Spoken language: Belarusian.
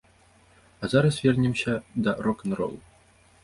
А зараз вернемся да рок-н-ролу.